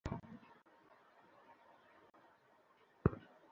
আদমজী সোনা মিয়া মার্কেটের সামনে স্কুলে যাওয়ার পথে ফাহিমকে অটোরিকশাটি ধাক্কা দেয়।